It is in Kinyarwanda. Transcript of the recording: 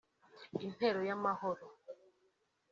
Intero y’amahoro